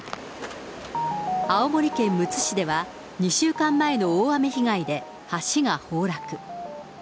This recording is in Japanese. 青森県むつ市では、２週間前の大雨被害で橋が崩落。